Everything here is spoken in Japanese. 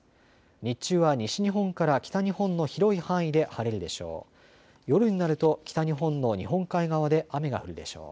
日中は西日本から北日本の広い範囲で晴れるでしょう。